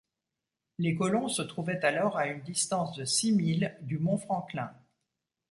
Les colons se trouvaient alors à une distance de six milles du mont Franklin